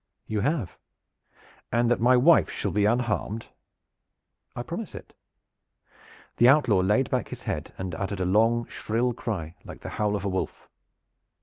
"You have." "And that my wife shall be unharmed?" "I promise it." The outlaw laid back his head and uttered a long shrill cry like the howl of a wolf.